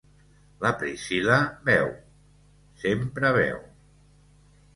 La Priscilla beu, sempre beu.